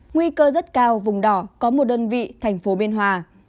nguy cơ rất cao vùng đỏ có một đơn vị thành phố biên hòa